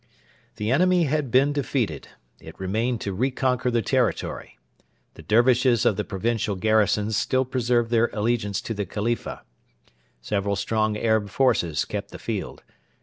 The enemy had been defeated. It remained to reconquer the territory. The Dervishes of the provincial garrisons still preserved their allegiance to the Khalifa. Several strong Arab forces kept the field.